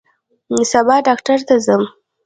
سبا ډاکټر ته ځم